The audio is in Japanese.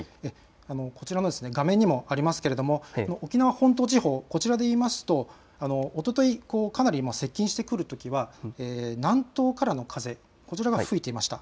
こちらの画面にもありますが沖縄本島地方、こちらでいうとおととい、かなり接近してくるときは南東からの風が吹いていました。